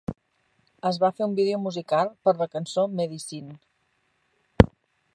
Es va fer un vídeo musical per a la cançó "Medicine".